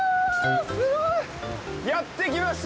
すごい！やってきました！